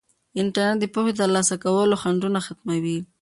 انټرنیټ د پوهې د ترلاسه کولو خنډونه ختموي.